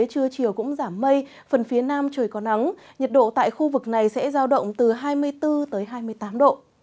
trưa chiều cũng giảm mây phần phía nam trời có nắng nhiệt độ tại khu vực này sẽ giao động từ hai mươi bốn hai mươi tám độ